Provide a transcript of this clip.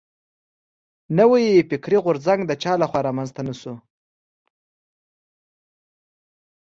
نوی فکري غورځنګ د چا له خوا را منځ ته شوی و.